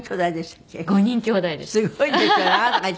すごいですよね。